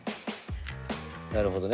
なるほどね。